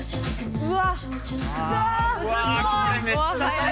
うわ。